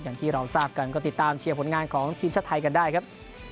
อย่างที่เราทราบกันก็ติดตามเชียร์ผลงานของทีมชาติไทยกันได้ครับ